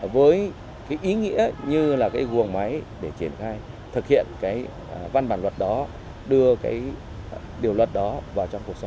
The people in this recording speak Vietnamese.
với cái ý nghĩa như là cái buồng máy để triển khai thực hiện cái văn bản luật đó đưa cái điều luật đó vào trong cuộc sống